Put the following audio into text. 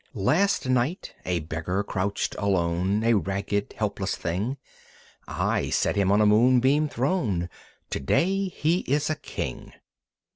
Last night a beggar crouched alone, A ragged helpless thing; I set him on a moonbeam throne Today he is a king.